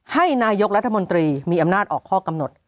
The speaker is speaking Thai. ให้นายกรัฐมนตรีมีอำนาจออกข้อกำหนด